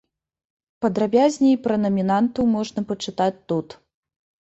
Падрабязней пра намінантаў можна пачытаць тут.